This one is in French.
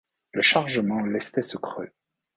Le chargement lestait ce creux.